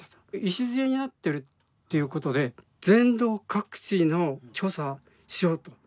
礎になってるということで全道各地の調査しようと。